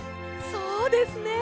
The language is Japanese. そうですね